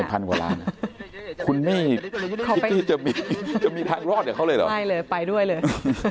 ใน๑๐๐๐กว่าล้านคุณพิธีจะมีทางรอดเหรอไม่เลยไปด้วยเลย